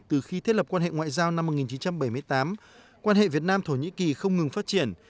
từ khi thiết lập quan hệ ngoại giao năm một nghìn chín trăm bảy mươi tám quan hệ việt nam thổ nhĩ kỳ không ngừng phát triển